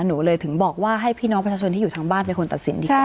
หนูเลยถึงบอกว่าให้พี่น้องประชาชนที่อยู่ทางบ้านเป็นคนตัดสินดีกว่า